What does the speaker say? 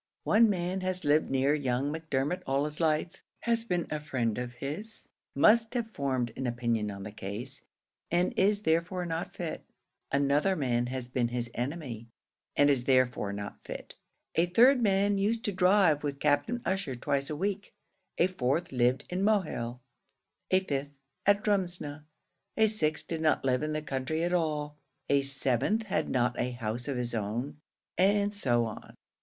One man has lived near young Macdermot all his life, has been a friend of his, must have formed an opinion on the case, and is therefore not fit: another man has been his enemy, and is therefore not fit; a third man used to drive with Captain Ussher twice a week; a fourth lived in Mohill; a fifth at Drumsna; a sixth did not live in the county at all; a seventh had not a house of his own, and so on.